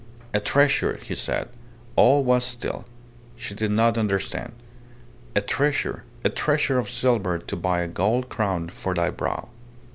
"A treasure," he said. All was still. She did not understand. "A treasure. A treasure of silver to buy a gold crown for thy brow."